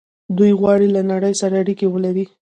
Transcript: دوی غواړي له نړۍ سره اړیکه ولري.